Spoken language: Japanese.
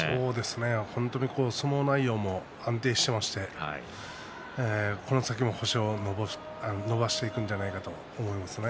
本当に相撲内容も安定していましてこの先も星を伸ばしていくんじゃないかと思いますね。